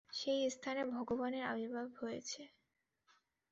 সেই স্থানে ভগবানের আবির্ভাব হয়েছে।